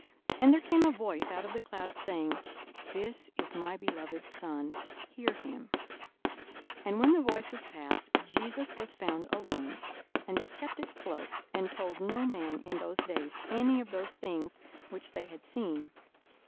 42:009:035 And there came a voice out of the cloud, saying, This is my beloved Son: hear him. 42:009:036 And when the voice was past, Jesus was found alone. And they kept it close, and told no man in those days any of those things which they had seen.